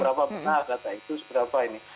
berapa benar data itu seberapa ini